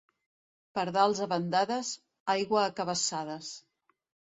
Pardals a bandades, aigua a cabassades.